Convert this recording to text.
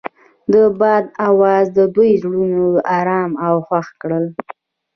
د باد اواز د دوی زړونه ارامه او خوښ کړل.